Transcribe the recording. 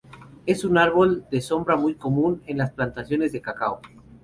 Es un árbol de sombra muy común en las plantaciones de cacao.